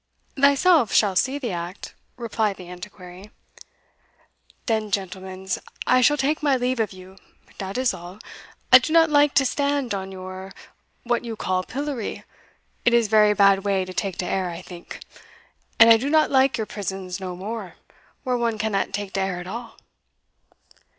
"Thyself shall see the act," replied the Antiquary. "Den, gentlemens, I shall take my leave of you, dat is all; I do not like to stand on your what you call pillory it is very bad way to take de air, I think; and I do not like your prisons no more, where one cannot take de air at all."